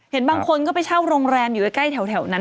เห็นบางคนก็ไปเช่าโรงแรมอยู่ใกล้แถวนั้น